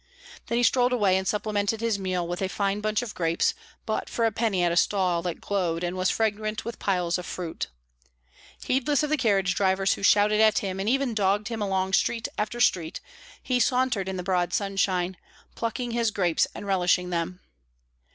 Then he strolled away and supplemented his meal with a fine bunch of grapes, bought for a penny at a stall that glowed and was fragrant with piles of fruit. Heedless of the carriage drivers who shouted at him and even dogged him along street after street, he sauntered in the broad sunshine, plucking his grapes and relishing them.